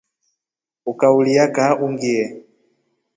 Ukaulya kaa ungie.